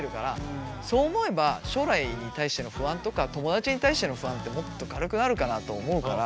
そう思えば将来に対しての不安とか友だちに対しての不安ってもっと軽くなるかなと思うから。